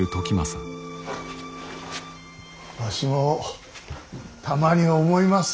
わしもたまに思います。